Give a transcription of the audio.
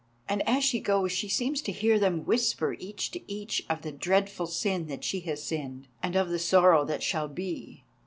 And as she goes she seems to hear them whisper each to each of the dreadful sin that she has sinned, and of the sorrow that shall be.